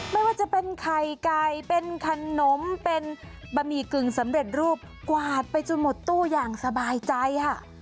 ไม่ว่าจะเป็นไข่ไก่เป็นขนมเป็นบะหมี่กึ่งสำเร็จรูปกวาดไปจนหมดตู้อย่างสบายใจค่ะ